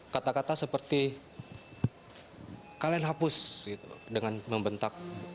kata kata seperti kalian hapus dengan membentak